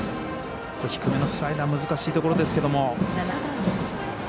低めのスライダー難しいところですけども。